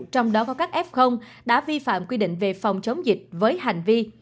trong đó có các f đã vi phạm quy định về phòng chống dịch với hành vi